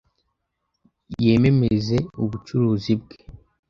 yememeze ubucuruzi bwe,